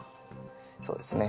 そうですね。